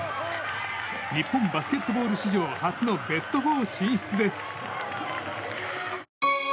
日本バスケットボール史上初のベスト４進出です。